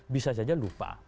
bisa saja lupa